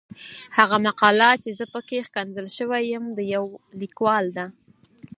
هغه مقاله چې زه پکې ښکنځل شوی یم د يو ليکوال ده.